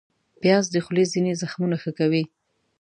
پیاز د خولې ځینې زخمونه ښه کوي